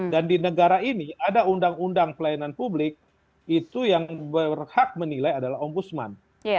dan di negara ini ada undang undang pelayanan publik itu yang berhak menilai adalah om busman